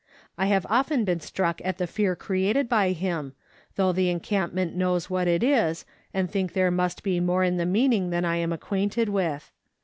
I have been often struck at the fear created by him, though the encampment knows what it is, and think there must be more in the meaning than I am acquainted with.